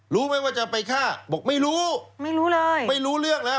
รู้ไหมว่าจะไปฆ่าบอกไม่รู้ไม่รู้เลยไม่รู้เรื่องแล้ว